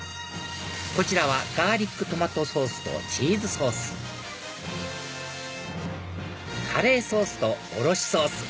こちらはガーリックトマトソースとチーズソースカレーソースとおろしソース